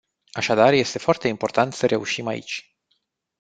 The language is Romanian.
Așadar este foarte important să reușim aici.